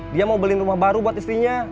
dia mau beli rumah baru buat istrinya